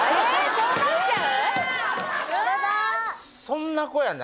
そうなっちゃう？